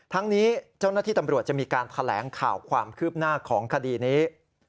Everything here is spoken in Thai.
ทั้งนี้เจ้าหน้าที่ตำรวจจะมีการแถลงข่าวความคืบหน้าของคดีนี้